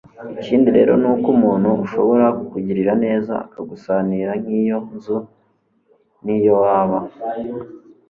ikindi rero ni uko umuntu ashobora kukugirira neza akagusanira nk'iyo nzu n'iyo waba